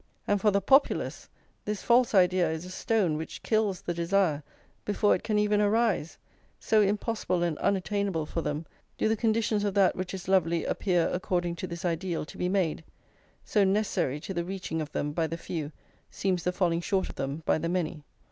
And for the Populace this false idea is a stone which kills the desire before it can even arise; so impossible and unattainable for them do the conditions of that which is lovely appear according to this ideal to be made, so necessary to the reaching of them by the few seems the falling short of them by the many.